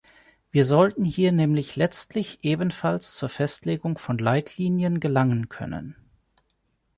Wir sollten hier nämlich letztlich ebenfalls zur Festlegung von Leitlinien gelangen können.